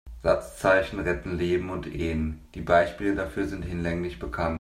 Satzzeichen retten Leben und Ehen, die Beispiele dafür sind hinlänglich bekannt.